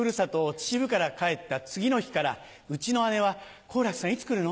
秩父から帰った次の日からうちの姉は「好楽さんいつ来るの？